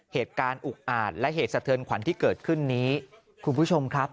เหตุการณ์อุกอาจและเหตุสะเทือนขวัญที่เกิดขึ้นนี้คุณผู้ชมครับ